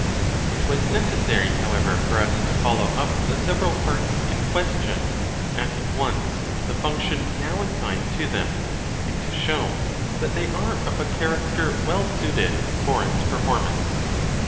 It was necessary however for us to follow up the several parts in question at once to the function now assigned to them, and to show that they are of a character well suited for its performance.